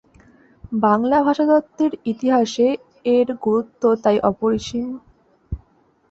বাংলা ভাষাতত্ত্বের ইতিহাসে এর গুরুত্ব তাই অপরিসীম।